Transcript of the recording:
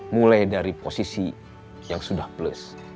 mulai dari posisi yang sudah plus